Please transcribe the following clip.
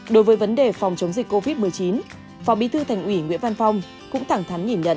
đối với vấn đề phòng chống dịch covid một mươi chín phó bí thư thành ủy nguyễn văn phong cũng thẳng thắn nhìn nhận